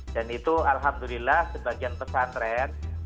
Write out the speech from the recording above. dan itu alhamdulillah sebagian pesantren